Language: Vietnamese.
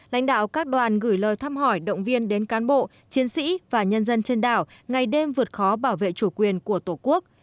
lãnh đạo các đoàn gửi lời thăm hỏi động viên đến cán bộ chiến sĩ và nhân dân trên đảo ngày đêm vượt khó bảo vệ chủ quyền của tổ quốc